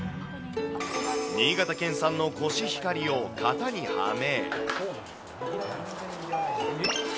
新潟県産のコシヒカリを型にはめ。